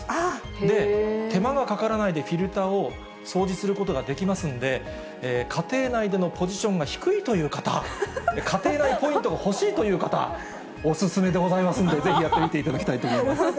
で、手間がかからないでフィルターを掃除することができますので、家庭内でのポジションが低いという方、家庭内ポイントが欲しいという方、お勧めでございますんで、ぜひやってみていただきたいと思います。